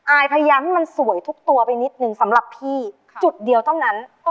อายพยายามให้มันสวยทุกตัวไปนิดนึงสำหรับพี่จุดเดียวเท่านั้น